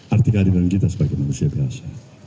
arti keadilan kita sebagai manusia biasa